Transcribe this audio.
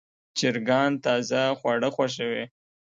چرګان تازه خواړه خوښوي.